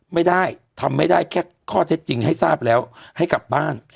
ไม่ได้ทำไม่ได้แค่ข้อเท็จจริงให้ทราบแล้วให้กลับบ้าน